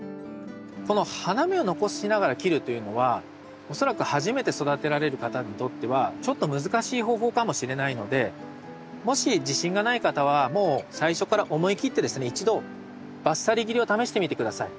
この花芽を残しながら切るというのは恐らく初めて育てられる方にとってはちょっと難しい方法かもしれないのでもし自信がない方はもう最初から思い切ってですね一度バッサリ切りを試してみて下さい。